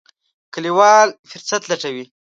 کلیوال فرصت لټوي.